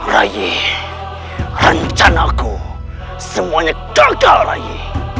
rayi rencana aku semuanya gagal rayi